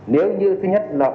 nếu như thứ nhất là